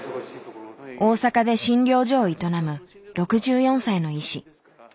大阪で診療所を営む６４歳の医師。